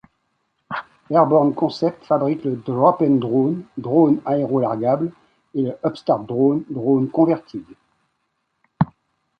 Airborne Concept fabrique le Drop'n Drone, drone aérolargable et le Up-Start Drone, drone convertible.